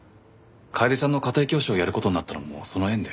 楓ちゃんの家庭教師をやる事になったのもその縁で。